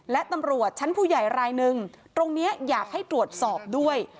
และตำรวจชั้นผู้ใหญ่รายนึงตรงนี้อยากให้ตรวจสอบด้วย